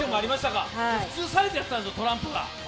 普通サイズやったんですよ、トランプが。